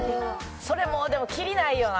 それもでもキリないよな。